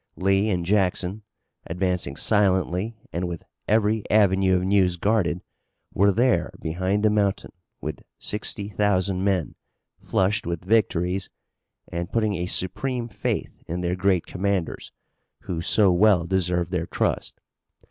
Lee and Jackson, advancing silently and with every avenue of news guarded, were there behind the mountain with sixty thousand men, flushed with victories, and putting a supreme faith in their great commanders who so well deserved their trust.